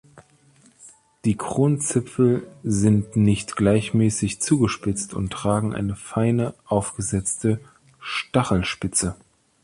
Die Kronzipfel sind nicht gleichmäßig zugespitzt und tragen eine feine, aufgesetzte Stachelspitze.